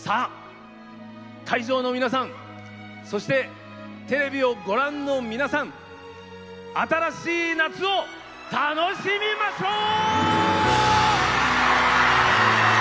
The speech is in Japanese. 会場の皆さん、そしてテレビをご覧の皆さん新しい夏を楽しみましょう。